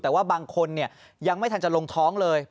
แต่ว่าบางคนยังไม่ทันจะลงท้องเลย